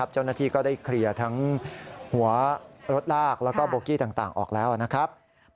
เจ้าหน้าที่ก็ได้เคลียร์ทั้งหัวรถลากแล้วก็โบกี้ต่างออกแล้วนะครับ